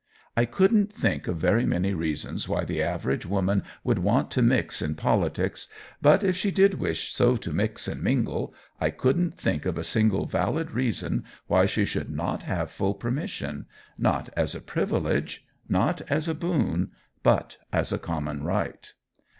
I couldn't think of very many reasons why the average woman should want to mix in politics, but if she did wish so to mix and mingle, I couldn't think of a single valid reason why she should not have full permission, not as a privilege, not as a boon, but as a common right.